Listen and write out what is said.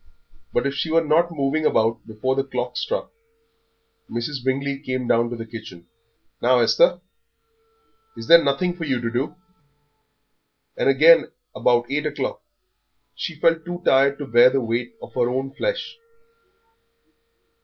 But if she were not moving about before the clock struck, Mrs. Bingley came down to the kitchen. "Now, Esther, is there nothing for you to do?" And again, about eight o'clock, she felt too tired to bear the weight of her own flesh.